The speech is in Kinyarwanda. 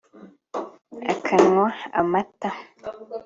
akanywa amata